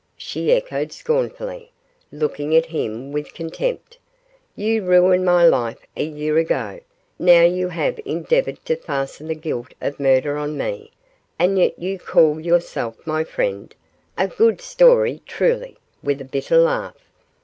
she echoed, scornfully, looking at him with contempt; 'you ruined my life a year ago, now you have endeavoured to fasten the guilt of murder on me, and yet you call yourself my friend; a good story, truly,' with a bitter laugh.